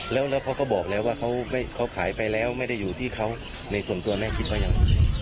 แล้วเขาก็บอกแล้วว่าเขาขายไปแล้วไม่ได้อยู่ที่เขาในส่วนตัวแม่คิดว่ายัง